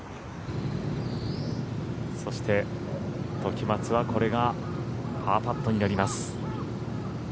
そして、時松はこれがパーパットになります。